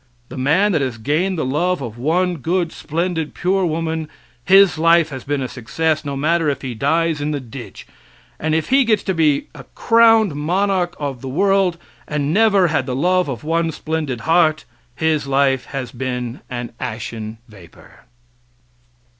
The man that has gained the love of one good, splendid, pure woman, his life has been a success, no matter if he dies in the ditch; and if he gets to be a crowned monarch of the world, and never had the love of one splendid heart, his life has been an ashen vapor.